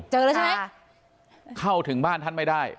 เจอแล้วใช่ไหมเข้าถึงบ้านท่านไม่ได้